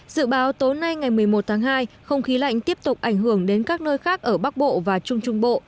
dự báo tối nay ngày một mươi một tháng hai không khí lạnh tiếp tục ảnh hưởng đến các nơi khác ở bắc bộ và trung trung bộ